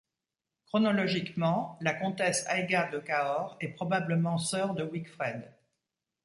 Chronologiquement, la comtesse Aiga de Cahors est probablement sœur de Wicfred.